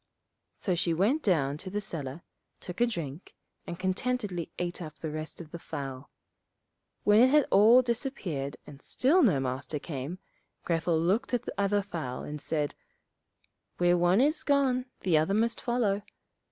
So she went down to the cellar, took a good drink, and contentedly ate up the rest of the fowl. When it had all disappeared and still no Master came, Grethel looked at the other fowl and said, 'Where one is gone the other must follow.